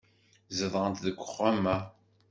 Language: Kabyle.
Zedɣent deg uxxam-a.